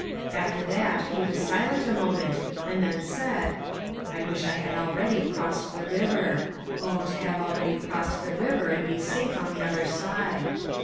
After that he was silent a moment and then said: 'I wish I had already crossed the river. Oh, to have already crossed the river and be safe on the other side.'